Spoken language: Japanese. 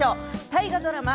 大河ドラマ